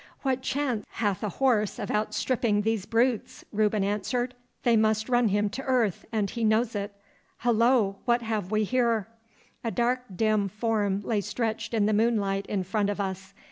'What chance hath a horse of outstripping these brutes?' Reuben answered. 'They must run him to earth, and he knows it. Hullo! what have we here?' A dark dim form lay stretched in the moonlight in front of us.